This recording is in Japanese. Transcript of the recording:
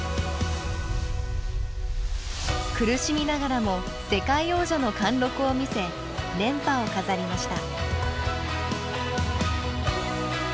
苦しみながらも世界王者の貫禄を見せ連覇を飾りました。